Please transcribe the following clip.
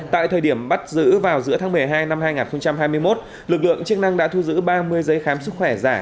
tại thời điểm bắt giữ vào giữa tháng một mươi hai năm hai nghìn hai mươi một lực lượng chức năng đã thu giữ ba mươi giấy khám sức khỏe giả